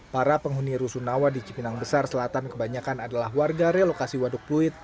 para penghuni rusun awa di cipinang besar selatan kebanyakan adalah warga relokasi waduk peluit